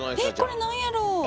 えっこれ何やろう？